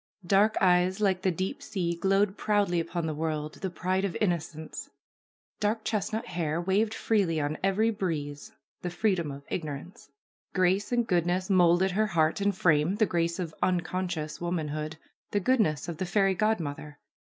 Dark eyes like the deep sea glowed proudly upon the world, the pride of innocence ; dark chestnut hair waved freely on every breeze, the free dom of ignorance. Grace and goodness moulded her heart and frame, the grace of unconscious womanhood, the goodness of the fairy godmother.